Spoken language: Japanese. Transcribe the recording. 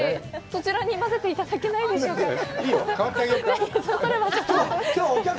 そちらに混ぜていただけないでしょうか？